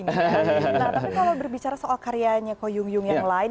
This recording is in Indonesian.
nah tapi kalau berbicara soal karyanya ko yung yang lain